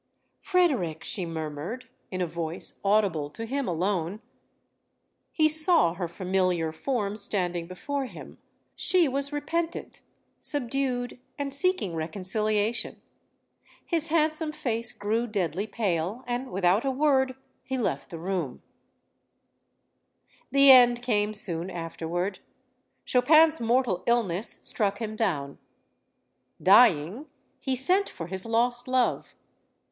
"Frederic!" she murmured, in a voice audible to him alone. He saw her familiar form standing before him. She was repentant, subdued, and seeking reconciliation. His handsome face grew deadly pale, and without a word he left the room. 172 STORIES OF THE SUPER WOMEN The end came soon afterward. Chopin's mortal ill ness struck him down. Dying, he sent for his lost love.